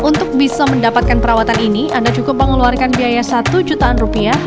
untuk bisa mendapatkan perawatan ini anda cukup mengeluarkan biaya satu jutaan rupiah